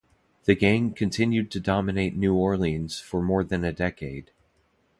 The gang continued to dominate New Orleans for more than a decade.